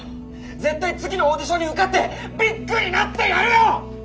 絶対次のオーディションに受かってビッグになってやるよ！